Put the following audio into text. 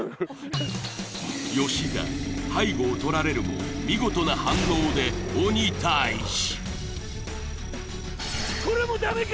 吉田背後を取られるも見事な反応で鬼タイジこれもダメか！